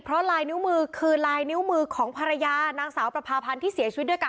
เพราะลายนิ้วมือคือลายนิ้วมือของภรรยานางสาวประพาพันธ์ที่เสียชีวิตด้วยกัน